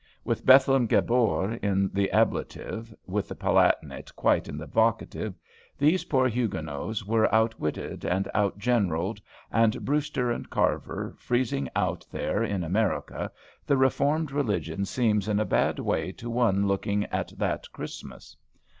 With Bethlem Gabor in the ablative, with the Palatinate quite in the vocative, these poor Huguenots here outwitted and outgeneralled, and Brewster and Carver freezing out there in America, the Reformed Religion seems in a bad way to one looking at that Christmas.